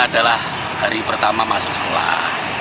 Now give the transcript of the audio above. adalah hari pertama masuk sekolah